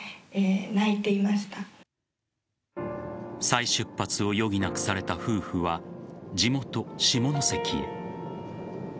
再出発を余儀なくされた夫婦は地元・下関へ。